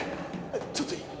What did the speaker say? ちょっといい？